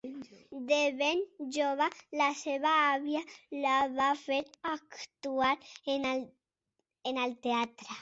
De ben jove la seva àvia la va fer actuar en el teatre.